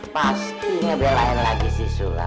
pastinya belain lagi si sulam kan